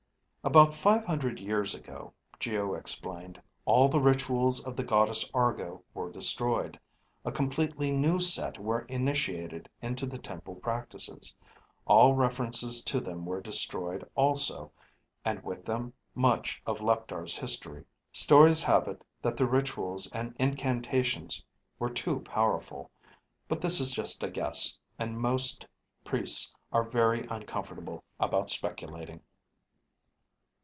"About five hundred years ago," Geo explained, "all the rituals of the Goddess Argo were destroyed. A completely new set were initiated into the temple practices. All references to them were destroyed also, and with them, much of Leptar's history. Stories have it that the rituals and incantations were too powerful. But this is just a guess, and most priests are very uncomfortable about speculating."